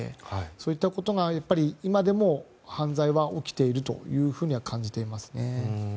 そういったことが今でも犯罪は起きているというふうに感じています。